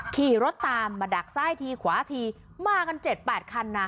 ขี่รถตามมาดักซ้ายทีขวาทีมากัน๗๘คันนะ